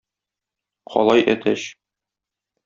Калай әтәч.